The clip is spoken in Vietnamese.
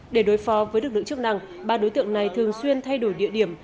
để đối phó với lực lượng chức năng ba đối tượng này thường xuyên thay đổi địa điểm